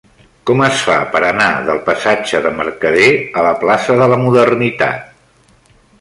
Com es fa per anar del passatge de Mercader a la plaça de la Modernitat?